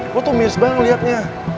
lo tuh miris banget liatnya